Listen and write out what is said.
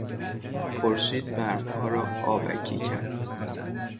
خورشید برفها را آبکی کرد.